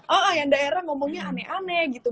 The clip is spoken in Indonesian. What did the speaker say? oh yang daerah ngomongnya aneh aneh gitu